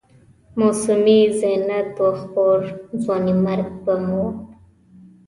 موسمي زینت و خپور، ځوانیمرګ بیم و